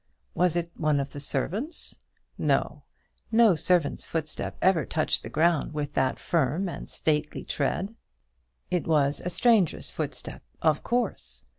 Was it one of the servants? No; no servant's foot ever touched the ground with that firm and stately tread. It was a stranger's footstep, of course.